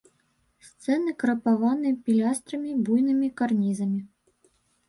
Сцены крапаваны пілястрамі, буйнымі карнізамі.